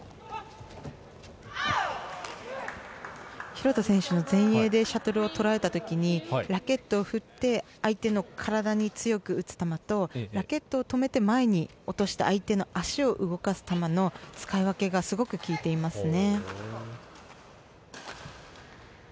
廣田選手の前衛でシャトルを取られた時にラケットを振って相手の体に強く打つ球とラケットを止めて前に落として相手の足を動かす球の使い分けがすごく効いていますね。